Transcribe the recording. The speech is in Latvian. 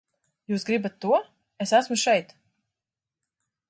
Jūs gribat to, es esmu šeit!